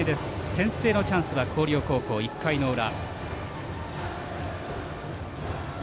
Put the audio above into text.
先制のチャンスは広陵高校１回の裏。